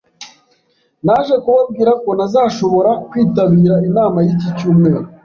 Naje kubabwira ko ntazashobora kwitabira inama y'iki cyumweru